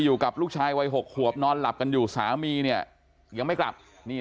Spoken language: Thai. อยู่กับลูกชายวัย๖ขวบนอนหลับกันอยู่สามีเนี่ยยังไม่กลับนี่